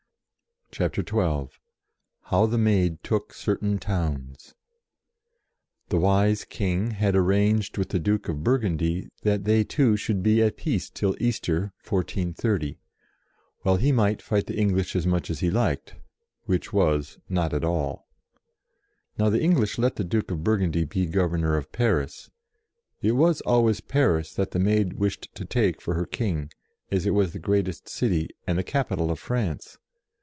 CHAPTER XII HOW THE MAID TOOK CERTAIN TOWNS ' pHE wise King had arranged with the * Duke of Burgundy that they two should be at peace till Easter, 1430; while he might fight the English as much as he liked, which was, not at all. Now the English let the Duke of Burgundy be Governor of Paris. It was always Paris that the Maid wished to take for her King, as it was the greatest city and the capital of France.